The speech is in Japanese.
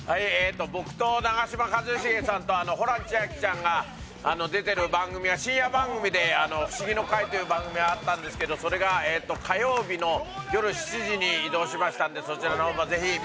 僕と長嶋一茂さんとホラン千秋ちゃんが出てる番組が深夜番組で『フシギの会』という番組があったんですけどそれが火曜日のよる７時に移動しましたんでそちらの方もぜひ見てください。